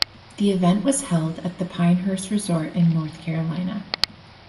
The event was held at the Pinehurst Resort in North Carolina.